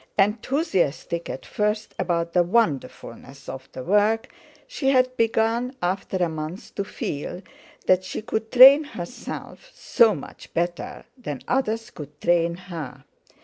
Enthusiastic at first about the "wonderfulness" of the work, she had begun after a month to feel that she could train herself so much better than others could train her.